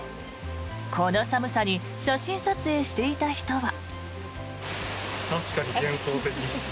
この寒さに写真撮影していた人は。